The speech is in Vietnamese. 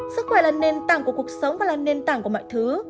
sức khỏe là nền tảng của cuộc sống và là nền tảng của mọi thứ